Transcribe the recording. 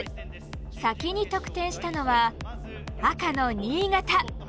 先に得点したのは赤の新潟。